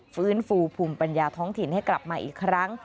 ฟื้นฟูภูมิปัญญาท้องถิ่นให้กลับมาอีกครั้ง